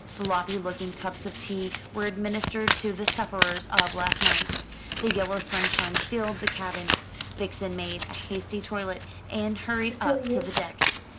Sloppy looking cups of tea were administered to the sufferers of last night. The yellow sunshine filled the cabin. Vixen made a hasty toilet, and hurried up to the deck.